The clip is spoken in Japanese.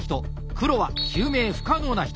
黒は救命不可能な人。